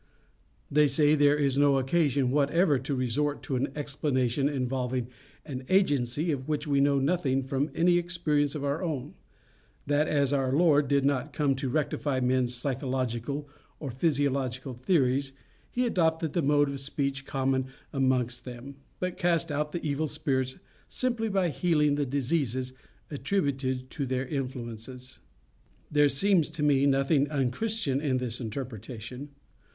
They say there is no occasion whatever to resort to an explanation involving an agency of which we know nothing from any experience of our own; that, as our Lord did not come to rectify men's psychological or physiological theories, he adopted the mode of speech common amongst them, but cast out the evil spirits simply by healing the diseases attributed to their influences. There seems to me nothing unchristian in this interpretation.